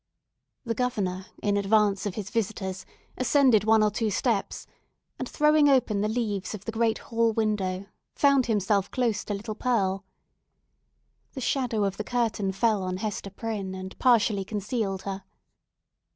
The Governor, in advance of his visitors, ascended one or two steps, and, throwing open the leaves of the great hall window, found himself close to little Pearl. The shadow of the curtain fell on Hester Prynne, and partially concealed her.